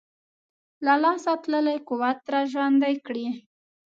له لاسه تللی قوت را ژوندی کړي.